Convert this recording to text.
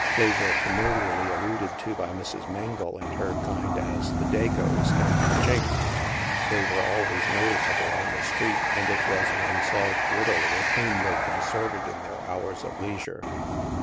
They were familiarly alluded to by Mrs. Mengle and her kind as "the Dagos'' and "the Chink/' They were always noticeable on the street, and it was an unsolved riddle with whom they consorted in their hours of leisure.